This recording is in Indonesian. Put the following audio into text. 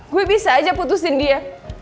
gue bisa aja putusin dia